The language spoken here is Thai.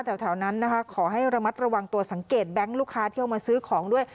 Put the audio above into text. แถวนั้นนะคะขอให้ระมัดระวังตัวสังเกตแบงค์ลูกค้าที่เอามาซื้อของด้วย